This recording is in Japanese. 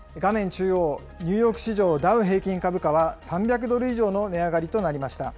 中央、ニューヨーク市場、ダウ平均株価は３００ドル以上の値上がりとなりました。